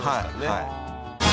はい。